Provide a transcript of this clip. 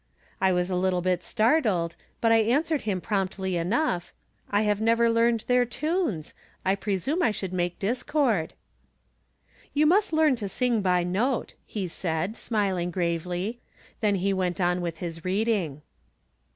I was a little bit startled, hut I answered him promptly enough : ".I have. never learned their tunes. I presume I should make 'discard." " You must learn to sing by note," he said, smiling gravely. Then he went on with his reading.